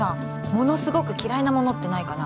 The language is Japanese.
ものすごく嫌いなものってないかな？